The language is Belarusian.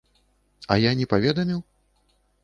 А я не паведаміў?